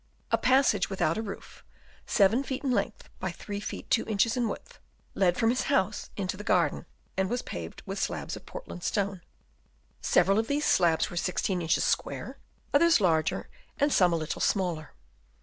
A passage without a roof, 7 feet in length by 3 feet 2 inches in width, led from his house into the garden, and was paved with slabs of Portland stone. Several of these slabs were 16 inches square, others larger, and some a little smaller.